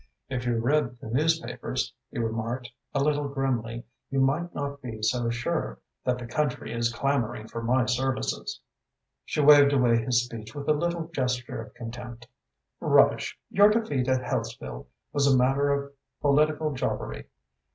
"If you read the newspapers," he remarked, a little grimly, "you might not be so sure that the country is clamouring for my services." She waved away his speech with a little gesture of contempt. "Rubbish! Your defeat at Hellesfield was a matter of political jobbery.